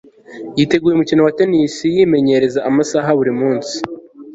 yiteguye umukino wa tennis yimenyereza amasaha buri munsi